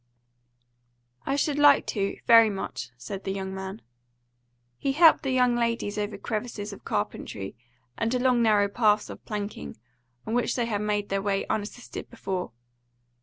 "I should like to, very much," said the young man. He helped the young ladies over crevasses of carpentry and along narrow paths of planking, on which they had made their way unassisted before.